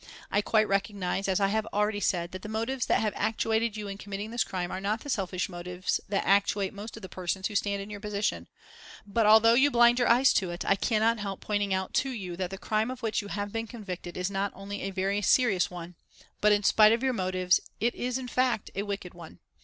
I quite recognise, as I have already said, that the motives that have actuated you in committing this crime are not the selfish motives that actuate most of the persons who stand in your position, but although you blind your eyes to it, I cannot help pointing out to you that the crime of which you have been convicted is not only a very serious one, but, in spite of your motives, it is, in fact, a wicked one.